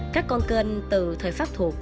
các con cênh từ thời pháp thuộc